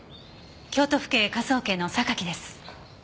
京都府警科捜研の榊です。